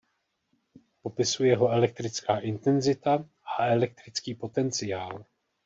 Popisuje ho elektrická intenzita a elektrický potenciál.